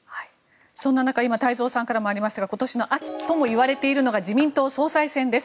そんな中今、太蔵さんからもありましたが今年の秋ともいわれているのが自民党総裁選です。